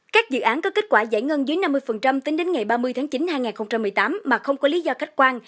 các dự án có kết quả giải ngân dưới năm mươi tính đến ngày ba mươi tháng chín hai nghìn một mươi tám mà không có lý do cách quan